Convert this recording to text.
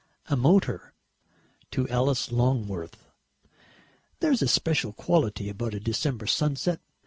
VI A MOTOR [To ALICE LONGWORTH] There is a special quality about a December sunset.